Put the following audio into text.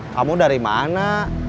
kamu dari mana